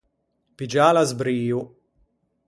Piggiâ l’asbrio.